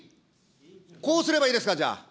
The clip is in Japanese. こうすればいいですか、じゃあ。